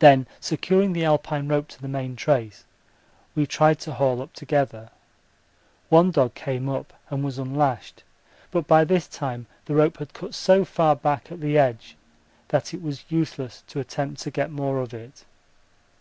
Then securing the Alpine rope to the main trace we tried to haul up together. One dog came up and was unlashed, but by this time the rope had cut so far back at the edge that it was useless to attempt to get more of it.